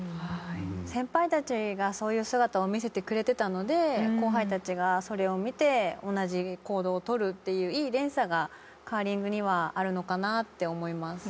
先輩たちがそういう姿を見せてくれてたので後輩たちがそれを見て同じ行動を取るっていういい連鎖がカーリングにはあるのかなって思います。